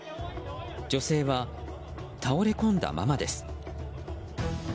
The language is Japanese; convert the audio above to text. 女性は倒れこんだままです。